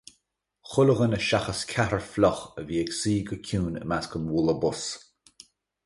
Chuile dhuine seachas ceathrar fliuch a bhí ag suí go ciúin i measc an bhualadh bos.